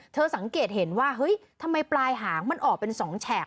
สังเกตเห็นว่าเฮ้ยทำไมปลายหางมันออกเป็น๒แฉก